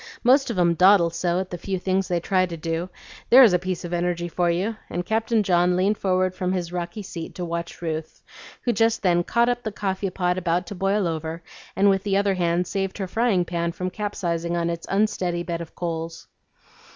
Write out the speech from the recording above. Most of 'em dawdle so at the few things they try to do. There's a piece of energy for you!" and Captain John leaned forward from his rocky seat to watch Ruth, who just then caught up the coffee pot about to boil over, and with the other hand saved her frying pan from capsizing on its unsteady bed of coals.